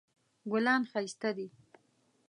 ګلان ښایسته دي